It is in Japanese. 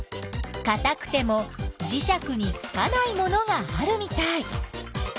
かたくてもじしゃくにつかないものがあるみたい。